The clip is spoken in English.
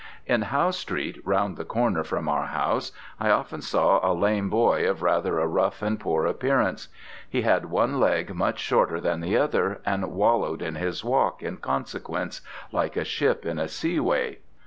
In Howe street, round the corner from our house, I often saw a lame boy of rather a rough and poor appearance. He had one leg much shorter than the other, and wallowed in his walk, in consequence, like a ship in a seaway.